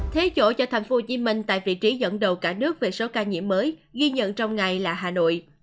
thế chỗ cho tp hcm tại vị trí dẫn đầu cả nước về số ca nhiễm mới ghi nhận trong ngày là hà nội